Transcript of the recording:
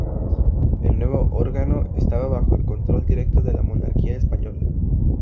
El nuevo órgano estaba bajo el control directo de la monarquía española.